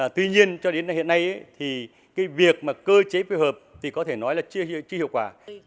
tuy nhiên cho đến hiện nay thì cái việc mà cơ chế phối hợp thì có thể nói là chưa hiệu quả